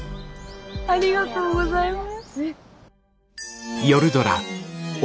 ありがとうございます。